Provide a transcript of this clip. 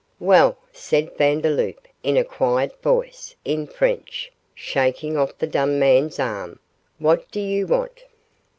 'Well,' said Vandeloup, in a quiet voice, in French, shaking off the dumb man's arm, 'what do you want?